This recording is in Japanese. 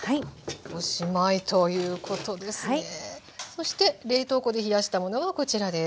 そして冷凍庫で冷やしたものがこちらです。